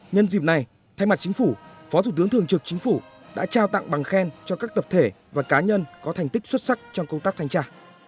nhân dịp này thay mặt chính phủ phó thủ tướng thường trực chính phủ đã trao tặng bằng khen cho các tập thể và cá nhân có thành tích xuất sắc trong công tác thanh tra